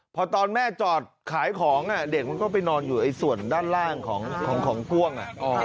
พอตอนแม่จอดขายของเด็กมันก็ไปนอนอยู่ส่วนด้านล่างของก้วง